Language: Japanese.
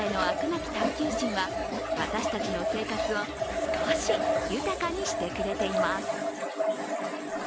なき探究心は私たちの生活を少し豊かにしてくれています。